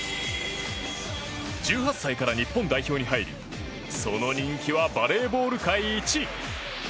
１８歳から日本代表に入りその人気はバレーボール界一。